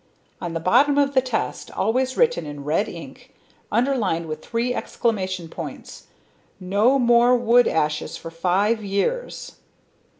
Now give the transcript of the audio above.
On the bottom of the test, always written in red ink, underlined, with three exclamation points, "No more wood ashes for five years!!!"